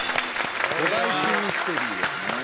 古代史ミステリーですね